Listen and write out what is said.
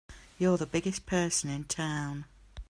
You're the biggest person in town!